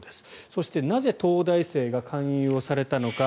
そして、なぜ東大生が勧誘をされたのか。